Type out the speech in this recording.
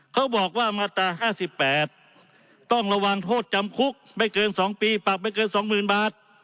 เขาบอกว่ามาตรา๕๘ต้องระวังโทษจำคุกไม่เกิน๒ปีปรับไม่เกิน๒๐๐๐บาท